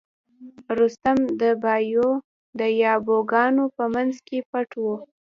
رستم د یابو ګانو په منځ کې پټ و.